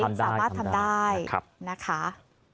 สามารถทำได้นะคะ